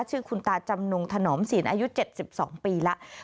ชื่อคุณตาจำนงถนอมศีลอายุ๗๒ปีแล้ว